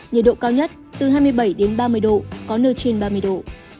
nhiệt độ cao nhất từ hai mươi bảy đến ba mươi độ có nơi trên ba mươi độ